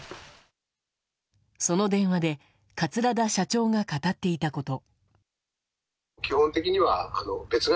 その電話で、桂田社長が語っていたこと。